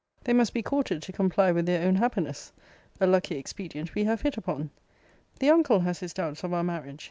They must be courted to comply with their own happiness. A lucky expedient we have hit upon. The uncle has his doubts of our marriage.